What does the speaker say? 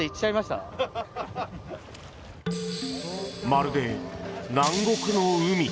まるで南国の海。